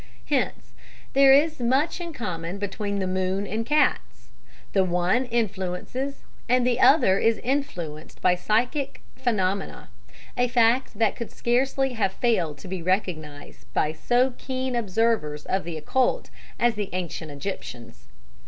Hence there is this much in common between the moon and cats the one influences and the other is influenced by psychic phenomena a fact that could scarcely have failed to be recognized by so keen observers of the occult as the Ancient Egyptians.